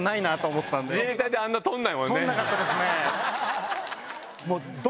録んなかったですね。